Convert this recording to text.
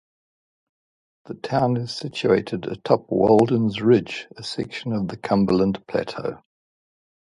The town is situated atop Walden's Ridge, a section of the Cumberland Plateau.